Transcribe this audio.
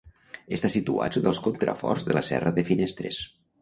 Està situat sota els contraforts de la Serra de Finestres.